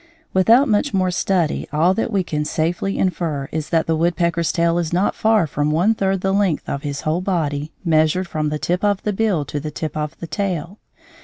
Without much more study all that we can safely infer is that the woodpecker's tail is not far from one third the length of his whole body measured from the tip of the bill to the tip of the tail.